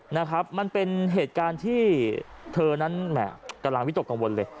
นะครับมันเป็นเหตุการณ์ที่เธอนั้นแหม่กำลังวิตกกังวลเลย